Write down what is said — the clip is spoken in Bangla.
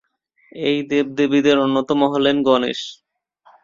এই দেবদেবীদের অন্যতম হলেন গণেশ।